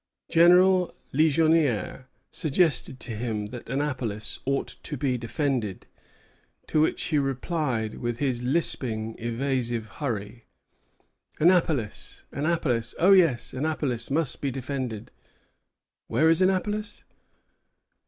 General Ligonier suggested to him that Annapolis ought to be defended. "To which he replied with his lisping, evasive hurry: 'Annapolis, Annapolis! Oh, yes, Annapolis must be defended, where is Annapolis?'"